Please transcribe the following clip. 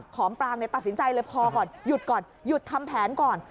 ของกลางตัดสินใจเลยพอก่อนหยุดก่อนหยุดทำแผนก่อน